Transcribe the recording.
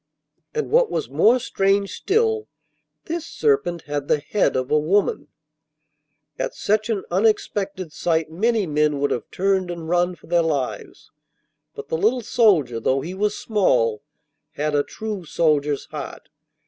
And what was more strange still, this serpent had the head of a woman. At such an unexpected sight many men would have turned and run for their lives; but the little soldier, though he was so small, had a true soldier's heart.